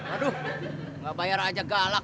aduh nggak bayar aja galak